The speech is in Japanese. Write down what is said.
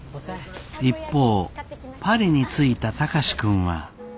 一方パリに着いた貴司君は。